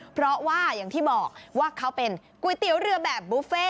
เพราะว่าอย่างที่บอกว่าเขาเป็นก๋วยเตี๋ยวเรือแบบบุฟเฟ่